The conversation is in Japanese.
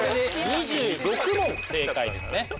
２６問正解ですね。